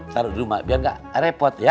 taruh di rumah biar nggak repot ya